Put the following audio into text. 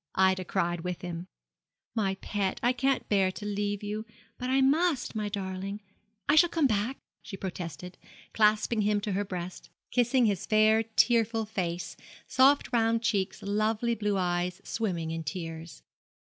Ida cried with him. 'My pet, I can't bear to leave you, but I must; my darling, I shall come back,' she protested, clasping him to her breast, kissing his fair tearful face, soft round cheeks, lovely blue eyes swimming in tears.